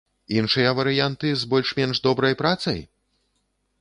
Іншыя варыянты з больш-менш добрай працай?